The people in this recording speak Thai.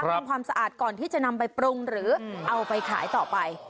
ทำความสะอาดก่อนที่จะนำไปปรุงหรือเอาไปขายต่อไป